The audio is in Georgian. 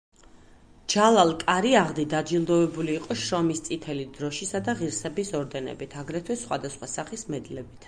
ჯალალ კარიაღდი დაჯილდოვებული იყო შრომის წითელი დროშისა და ღირსების ორდენებით, აგრეთვე სხვადასხვა სახის მედლებით.